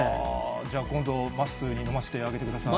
じゃあ今度、まっすーに飲ませてあげてください。